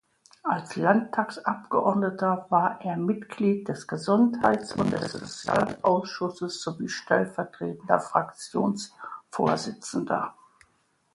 Als Landtagsabgeordneter war er Mitglied des Gesundheits- und des Sozialausschusses sowie stellvertretender Fraktionsvorsitzender.